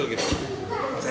saya rasa itu saja